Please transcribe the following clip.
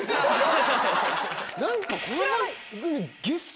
何か。